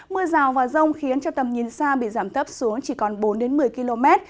mưa rào và rông khiến cho tầm nhìn xa bị giảm thấp xuống chỉ còn bốn một mươi km